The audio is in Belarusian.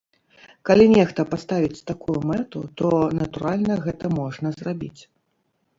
Калі нехта паставіць такую мэту, то, натуральна, гэта можна зрабіць.